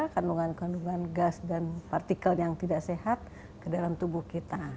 kandungan kandungan gas dan partikel yang tidak sehat ke dalam tubuh kita